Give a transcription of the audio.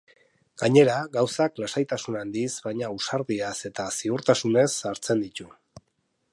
Gainera, gauzak lasaitasun handiz baina ausardiaz eta ziurtasunez hartzen ditu.